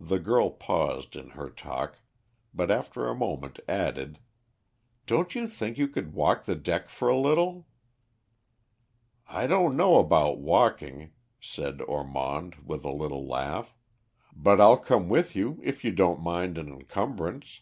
The girl paused in her talk, but after a moment added "Don't you think you could walk the deck for a little?" "I don't know about walking," said Ormond, with a little laugh, "but I'll come with you if you don't mind an encumbrance."